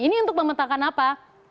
ini untuk memetakan apa